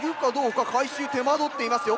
回収に手間取っていますよ。